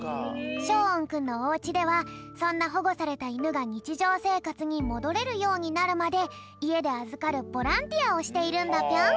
しょうおんくんのおうちではそんなほごされたいぬがにちじょうせいかつにもどれるようになるまでいえであずかるボランティアをしているんだぴょん。